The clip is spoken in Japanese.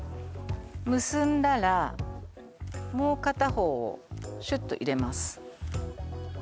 結んだらもう片方をシュッと入れます